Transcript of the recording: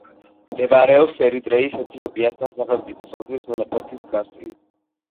მდებარეობს ერიტრეის ეთიოპიასთან სახელმწიფო საზღვრის მონაკვეთის გასწვრივ.